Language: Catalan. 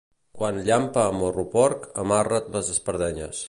Quan llampa a Morro-porc, amarra't les espardenyes.